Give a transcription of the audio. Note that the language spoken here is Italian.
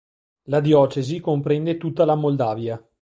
La diocesi comprende tutta la Moldavia.